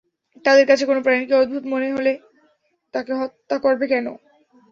তাদের কাছে কোনো প্রাণীকে অদ্ভুত মনে হলে তাকে হত্যা করবে না।